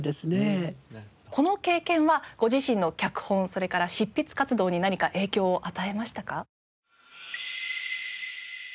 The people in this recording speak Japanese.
この経験はご自身の脚本それから執筆活動に何か影響を与えましたか？